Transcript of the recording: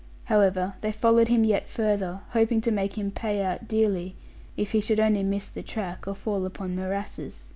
However, they followed him yet farther; hoping to make him pay out dearly, if he should only miss the track, or fall upon morasses.